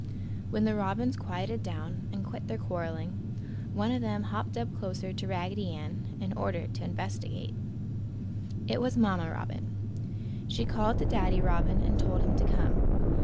When the robins quieted down and quit their quarreling, one of them hopped up closer to Raggedy Ann in order to investigate. It was Mamma Robin. She called to Daddy Robin and told him to come.